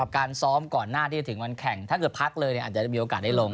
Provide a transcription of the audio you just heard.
การซ้อมก่อนหน้าที่จะถึงวันแข่งถ้าเกิดพักเลยอาจจะมีโอกาสได้ลง